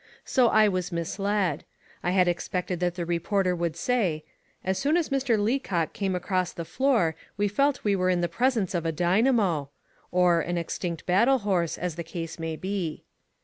So I was misled. I had expected that the reporter would say: "As soon as Mr. Leacock came across the floor we felt we were in the presence of a 'dynamo' (or an 'extinct battle horse' as the case may be)."